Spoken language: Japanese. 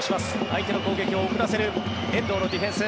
相手の攻撃を遅らせる遠藤のディフェンス。